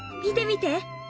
見てみて。